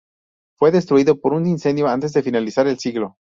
Fue destruido por un incendio antes de finalizar el siglo.